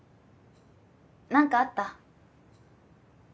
何かあった？